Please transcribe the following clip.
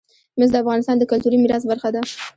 مس د افغانستان د کلتوري میراث برخه ده.